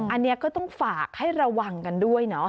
อันนี้ก็ต้องฝากให้ระวังกันด้วยเนาะ